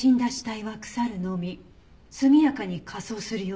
すみやかに火葬するように」